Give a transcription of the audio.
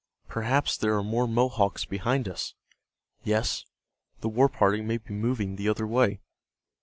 Perhaps there are more Mohawks behind us. Yes, the war party may be moving the other way."